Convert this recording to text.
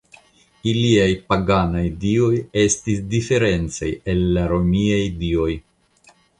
Iliaj paganaj dioj estis diferencaj el la romiaj dioj.